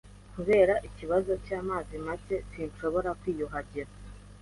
Kubera ikibazo cy'amazi make, sinshobora kwiyuhagira.